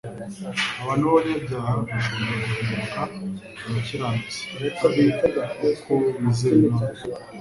Abantu b'abanyabyaha bashobora guhinduka abakiranutsi ari uko bizeye Imana